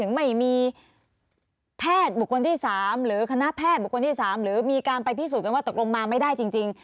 ไม่มีแพทย์บุคคลที่๓หรือคณะแพทย์บุคคลที่๓หรือมีการไปพิสูจน์กันว่าตกลงมาไม่ได้จริง